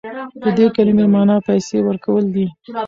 د دې کلمې معنی پیسې ورکول دي.